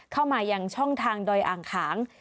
เข้ามายังช่องทางดอยอ่างขาง